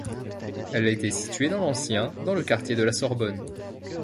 Elle était située dans l'ancien, dans le quartier de la Sorbonne.